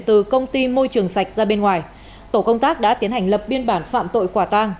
từ công ty môi trường sạch ra bên ngoài tổ công tác đã tiến hành lập biên bản phạm tội quả tang